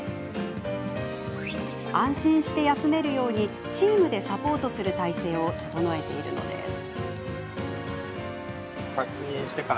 安心して休めるようにチームでサポートする体制を整えているのです。